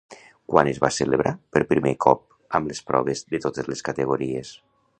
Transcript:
Quan es van celebrar per primer cop amb les proves de totes les categories?